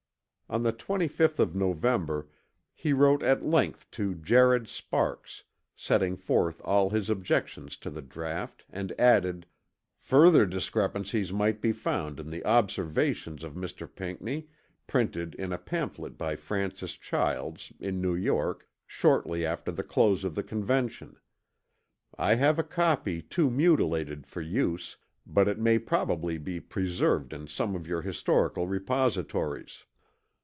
On the 25th of November he wrote at length to Jared Sparks setting forth all his objections to the draught and added: "Further discrepancies might be found in the observations of Mr. Pinckney, printed in a pamphlet by Francis Childs, in New York, shortly after the close of the Convention. I have a copy too mutilated for use, but it may probably be preserved in some of your historical repositories."